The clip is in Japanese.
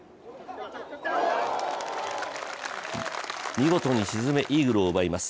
見事に沈め、イーグルを奪います。